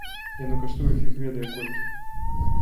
Яно каштуе фіг ведае колькі.